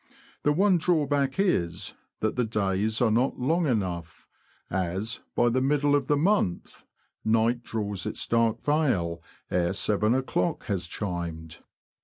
The one drawback is, that the days are not long enough, as, by the middle of the month, night draws its dark veil ere seven o'clock has chimed.